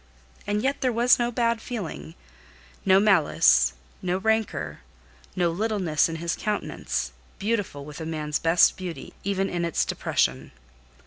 And yet there was no bad feeling, no malice, no rancour, no littleness in his countenance, beautiful with a man's best beauty, even in its depression.